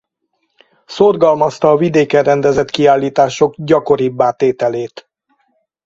Szorgalmazta a vidéken rendezett kiállítások gyakoribbá tételét.